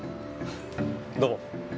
どうも。